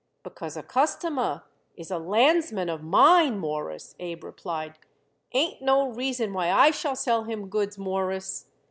"Because a customer is a Landsmann of mine, Mawruss," Abe replied, "ain't no reason why I shall sell him goods, Mawruss.